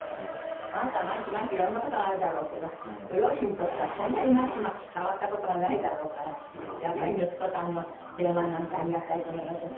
あなたは毎日毎日いろんな事があるだろうけどご両親にとってはそんなに毎日毎日変わった事がないだろうからやっぱり息子さんの電話なんてありがたいと思いますよ。